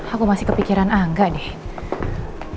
aku masih kepikiran angga deh